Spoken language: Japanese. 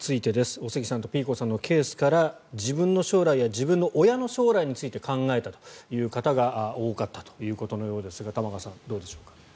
おすぎさんとピーコさんのケースから自分の将来や自分の親の将来について考えたという方が多かったということのようですが玉川さん、どうでしょうか。